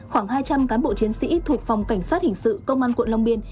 khoảng hai trăm linh cán bộ chiến sĩ thuộc phòng cảnh sát hình sự công an quận long biên